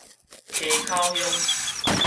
溪口鄉